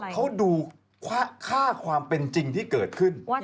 เขาดูค่าความเป็นจริงที่เกิดขึ้น